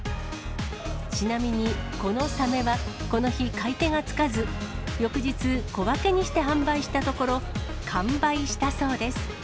ちなみに、このサメはこの日、買い手がつかず、翌日、小分けにして販売したところ、完売したそうです。